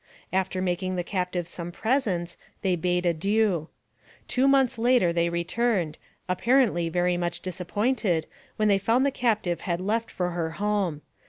After making the captive some presents, they bade adieu. Two months later they returned, apparently very much disappointed when they found the captive had left for her home.